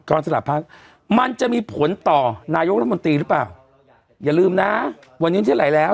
สลับพักมันจะมีผลต่อนายกรัฐมนตรีหรือเปล่าอย่าลืมนะวันนี้ที่ไหลแล้ว